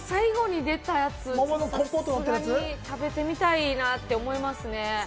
最後の桃がのってるやつはさすがに食べてみたいなって思いますね。